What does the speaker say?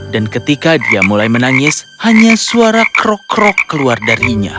dan ketika dia mulai menangis hanya suara krok krok keluar darinya